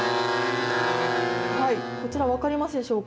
こちら分かりますでしょうか。